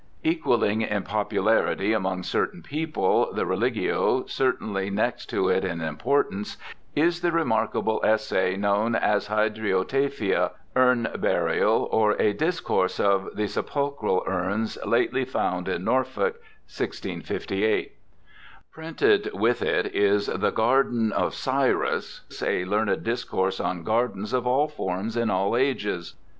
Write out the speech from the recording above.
Equalling in popularity among certain people the Re ligio, certainly next to it in importance, is the remarkable essay known as Hydriotaphia — Urne Bviriall: or, A Dis course of the Septtlchrall Urnes lately found in Norfolk (1658). Printed with it is The Garden of Cyrus, a learned discourse on gardens of all forms in all ages.